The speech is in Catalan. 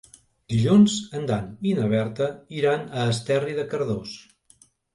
Dilluns en Dan i na Berta iran a Esterri de Cardós.